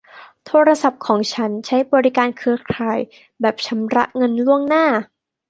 โทรศัพท์ของฉันใช้บริการเครือข่ายแบบชำระเงินล่วงหน้า